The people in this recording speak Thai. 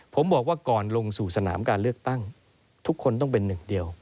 ผมบอกว่าก่อนลงสู่สนามการเลือกตั้งทุกคนต้องเป็นหนึ่งเดียว